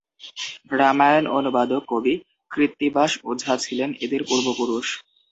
রামায়ণ অনুবাদক কবি কৃত্তিবাস ওঝা ছিলেন এঁদের পূর্বপুরুষ।